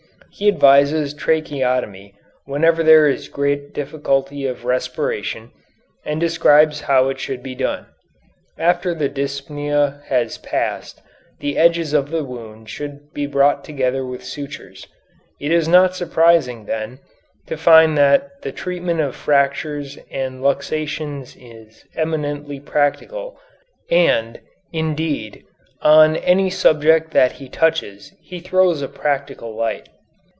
He advises tracheotomy whenever there is great difficulty of respiration, and describes how it should be done. After the dyspnea has passed the edges of the wound should be brought together with sutures. It is not surprising, then, to find that the treatment of fractures and luxations is eminently practical, and, indeed, on any subject that he touches he throws practical light.